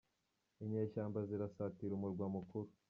Inyeshyamba zirasatira umurwa mukuru